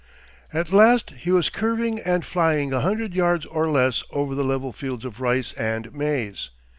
At last he was curving and flying a hundred yards or less over the level fields of rice and maize.